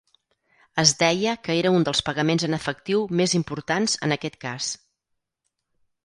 Es deia que era un dels pagaments en efectiu més importants en aquest cas.